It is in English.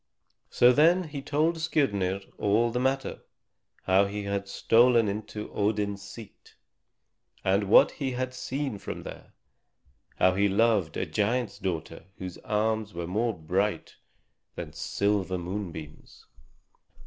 So then he told Skirnir all the matter: how he had stolen into Odin's seat, and what he had seen from there; how he loved a giant's daughter whose arms were more bright than silver moonbeams.